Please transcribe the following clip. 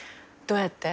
どうやって？